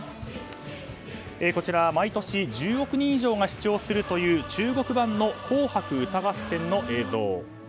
こちら毎年１０億人以上が視聴するという中国版の「紅白歌合戦」の映像。